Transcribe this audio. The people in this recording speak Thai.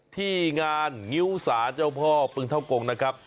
ที่งานงิ้วสารเจ้าพ่อปึงเท่ากงนะครับ